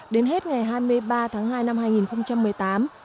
đến hết ngày hai mươi ba tháng hai năm hai nghìn một mươi tám